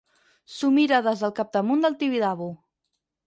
S'ho mira des del capdamunt del Tibidabo.